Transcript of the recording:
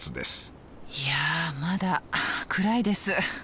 いやまだ暗いです。